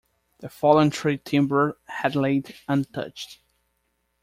The fallen tree timber had laid untouched.